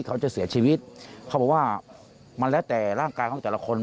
เขาบอกว่ามันแล้วแต่ร่างกายของแต่ละคน